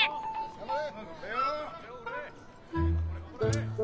頑張れよ。